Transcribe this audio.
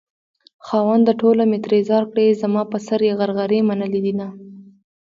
خاونده ټوله مې ترې ځار کړې زما په سر يې غرغرې منلي دينه